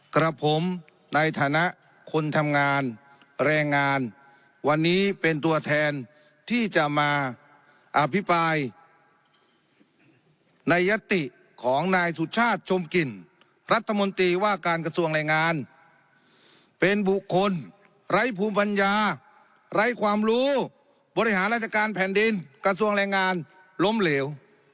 กับผมในฐานะคนทำงานแรงงานวันนี้เป็นตัวแทนที่จะมาอภิปรายในยติของนายสุชาติชมกลิ่นรัฐมนตรีว่าการกระทรวงแรงงานเป็นบุคคลไร้ภูมิปัญญาไร้ความรู้บริหารราชการแผ่นดินกระทรวงแรงงานล้มเหลว